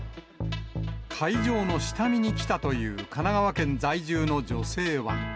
会場の下見に来たという神奈川県在住の女性は。